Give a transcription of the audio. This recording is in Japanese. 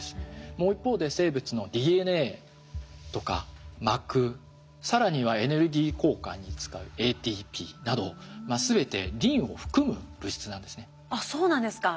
もう一方で生物のＤＮＡとか膜更にはエネルギー交換に使うＡＴＰなど全てリンを含む物質なんですね。